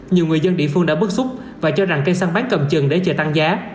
nhiều người dân địa phương đã bức xúc và cho rằng cây săn bán cầm chừng để chờ tăng giá